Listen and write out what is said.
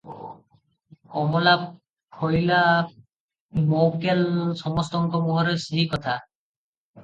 ଅମଲା ଫଇଲା ମଓକ୍କେଲ ସମସ୍ତଙ୍କ ମୁହଁରେ ସେହି କଥା ।